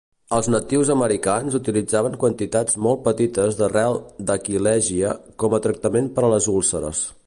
Els natius americans utilitzaven quantitats molt petites d'arrel d'"aquilegia" com a tractament per a les úlceres.